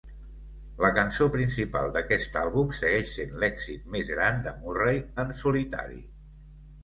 La cançó principal d'aquest àlbum segueix sent l'èxit més gran de Murray en solitari.